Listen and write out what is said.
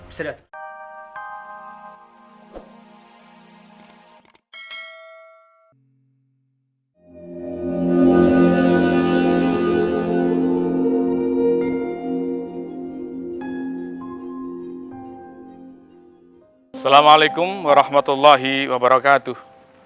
assalamualaikum warahmatullahi wabarakatuh